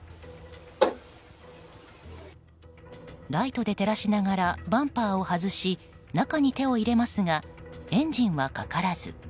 ライトで照らしながらバンパーを外し中に手を入れますがエンジンはかからず。